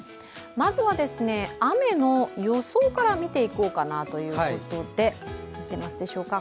まずは雨の予想から見ていこうかなということで、出ますでしょうか。